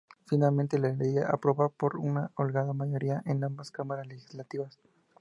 Finalmente la ley fue aprobada por una holgada mayoría en ambas cámaras legislativas.